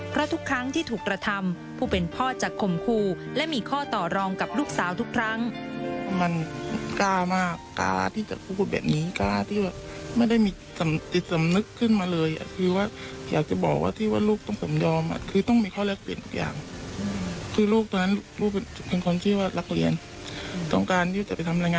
เพราะทุกครั้งที่ถูกกระทำผู้เป็นพ่อจะข่มครูและมีข้อต่อรองกับลูกสาวทุกครั้ง